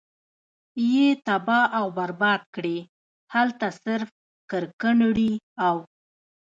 ئي تباه او برباد کړې!! هلته صرف کرکنړي او